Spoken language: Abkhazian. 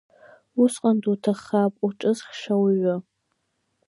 Усҟан дуҭаххап уҿызхыша ауаҩы!